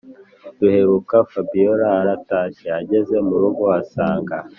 duheruka fabiora aratashye ageze murugo asanga